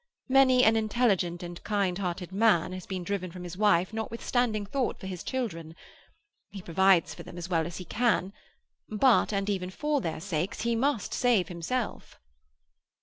Many an intelligent and kind hearted man has been driven from his wife notwithstanding thought for his children. He provides for them as well as he can—but, and even for their sakes, he must save himself."